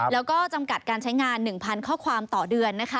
แล้วก็จำกัดการใช้งาน๑๐๐ข้อความต่อเดือนนะคะ